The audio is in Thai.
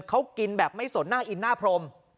เขากินแบบไม่สนหน้าอินหน้าพรม